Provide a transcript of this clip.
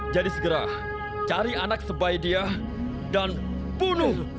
jadi segera cari anak sebaik dia dan bunuh